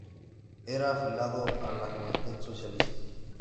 Era afiliado a la Juventud Socialista.